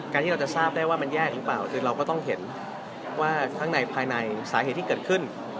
ที่เราจะทราบได้ว่ามันแย่หรือเปล่าคือเราก็ต้องเห็นว่าข้างในภายในสาเหตุที่เกิดขึ้น